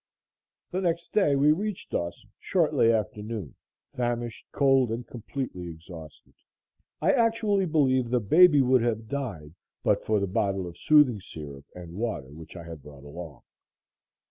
The next day we reached Dawson shortly after noon, famished, cold, and completely exhausted. I actually believe the baby would have died but for the bottle of soothing syrup and water which I had brought along.